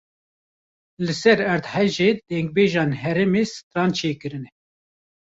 Li ser erdhejê dengbêjên herêmê stran çêkirine.